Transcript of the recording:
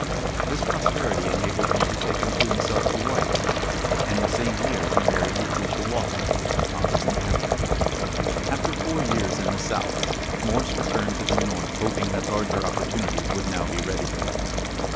This prosperity enabled him to take unto himself a wife, and the same year he married Lucretia Walker, of Concord, New Hampshire. After four years in the South Morse returned to the North, hoping that larger opportunities would now be ready for him.